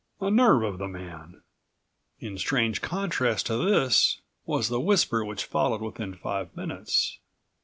The nerve of the man!" In strange contrast to this was the whisper which followed within five minutes.